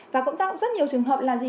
và cũng tạo rất nhiều trường hợp là gì